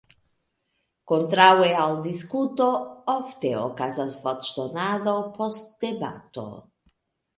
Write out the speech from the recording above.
Kontraŭe al diskuto ofte okazas voĉdonado post debato.